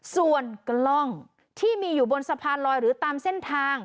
ส่วนกล้องที่มีอยู่บนสะพานลอยหรือตามเส้นทาง